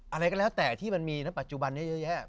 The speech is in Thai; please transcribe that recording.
อะไรก็แล้วแต่ที่มันมีณปัจจุบันนี้เยอะแยะ